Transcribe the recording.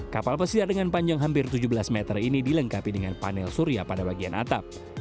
kapal pesiar dengan panjang hampir tujuh belas meter ini dilengkapi dengan panel surya pada bagian atap